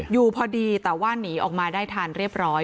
อยู่พอดีแต่ว่าหนีออกมาได้ทันเรียบร้อย